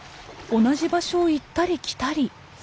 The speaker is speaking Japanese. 同じ場所を行ったり来たり。